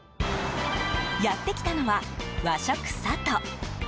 やってきたのは、和食さと。